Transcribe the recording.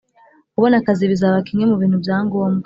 Kubona akazi bizaba kimwe mu bintu bya ngombwa